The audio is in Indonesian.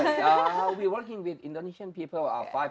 saya bekerja dengan orang indonesia selama lima tahun